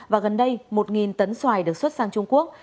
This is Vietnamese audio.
và gần đây một tấn xoài được xuất sang trung quốc